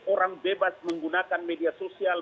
orang bebas menggunakan media sosial